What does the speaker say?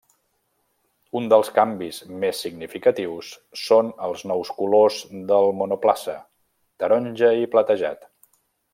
Un dels canvis més significatius són els nous colors del monoplaça: taronja i platejat.